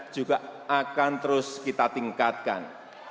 juga akan terus kita tingkatkan